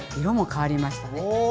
色も変わりましたね。